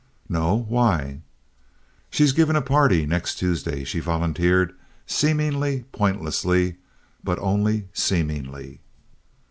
"No, why?" "She's giving a party next Tuesday," she volunteered, seemingly pointlessly, but only seemingly.